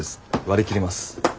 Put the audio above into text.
割り切ります。